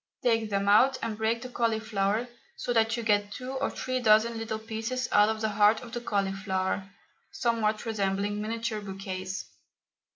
Take them out and break the cauliflower so that you get two or three dozen little pieces out of the heart of the cauliflower, somewhat resembling miniature bouquets.